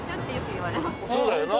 そうだよな。